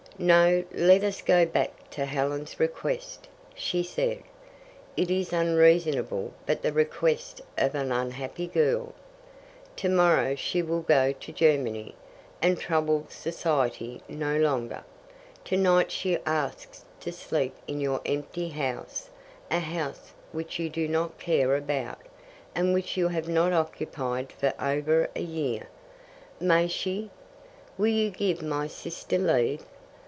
"No, let us go back to Helen's request," she said. "It is unreasonable, but the request of an unhappy girl. Tomorrow she will go to Germany, and trouble society no longer. Tonight she asks to sleep in your empty house a house which you do not care about, and which you have not occupied for over a year. May she? Will you give my sister leave?